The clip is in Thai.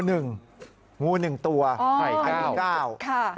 งู๑ตัวไข่๙ฟอง๑ก้าว